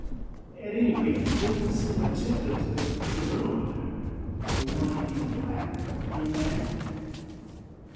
"At any rate, he doesn't seem attentive to that pretty girl over there the one in black with the young man."